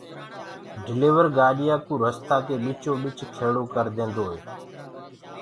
ڊليور گآڏِيآ ڪو رستآ ڪي ٻچو ٻچ کيڙو ڪر ديندوئي